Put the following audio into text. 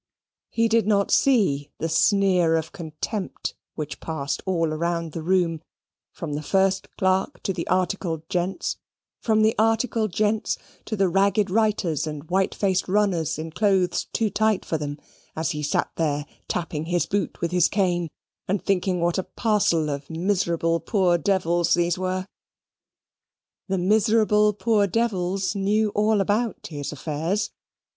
He did not see the sneer of contempt which passed all round the room, from the first clerk to the articled gents, from the articled gents to the ragged writers and white faced runners, in clothes too tight for them, as he sate there tapping his boot with his cane, and thinking what a parcel of miserable poor devils these were. The miserable poor devils knew all about his affairs.